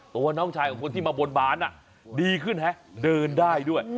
ตัวน้องชายของคนที่มาบนบานดีขึ้นฮะเดินได้ด้วย